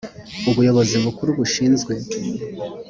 ubuyobozi bukuru bushinzwe